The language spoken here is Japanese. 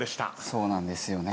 そうなんですよね。